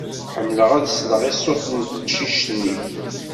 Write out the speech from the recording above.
Ḥemmleɣ ad sleɣ i ṣṣut n teqcict-nni.